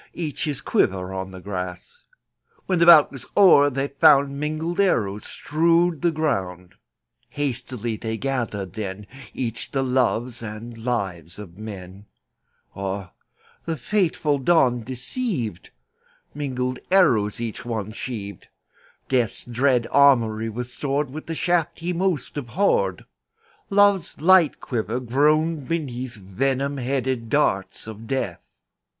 — Each his quiver on the grass. When the bout was o'er they found Mingled arrows strewed the ground. Hastily they gathered then Each the loves and lives of men. Ah, the fateful dawn deceived! Mingled arrows each one sheaved; Death's dread armoury was stored With the shafts he most abhorred; Love's light quiver groaned beneath Venom headed darts of Death.